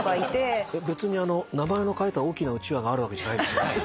別に名前の書いた大きなうちわがあるわけじゃないですよね。